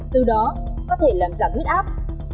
từ đó có thể làm giảm huyết áp